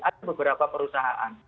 ada beberapa perusahaan